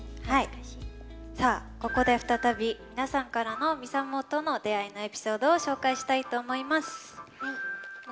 ここで再び皆さんからのＭＩＳＡＭＯとの出会いのエピソードを紹介したいと思います。